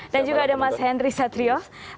dan juga ada mas henry satrio